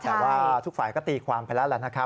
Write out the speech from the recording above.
แต่ว่าทุกฝ่ายก็ตีความไปแล้วแหละนะครับ